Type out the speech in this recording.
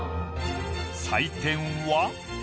採点は。